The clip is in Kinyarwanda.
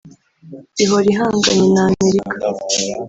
ihora ihanganye na Amerika